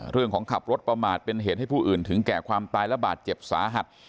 ขับรถประมาทเป็นเหตุให้ผู้อื่นถึงแก่ความตายและบาดเจ็บสาหัส